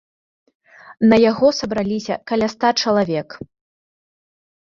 На яго сабраліся каля ста чалавек.